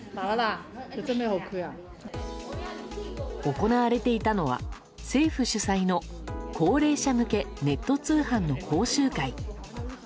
行われていたのは政府主催の高齢者向けネット通販の講習会。